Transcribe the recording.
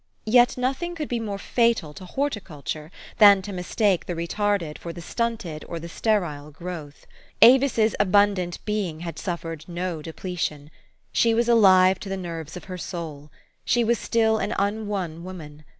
Yet nothing could be more fatal to horticulture than to mistake the re tarded for the stunted or the sterile growth. Avis' s auundant being had suffered no depletion. She was alive to the nerves of her soul. She was still an unwon woman.